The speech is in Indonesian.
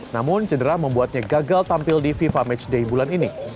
namun cedera membuatnya gagal tampil di fifa matchday bulan ini